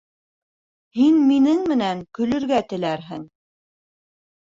Һин минең менән көлөргә теләрһең.